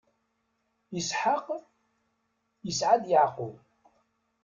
Isḥaq isɛa-d Yeɛqub.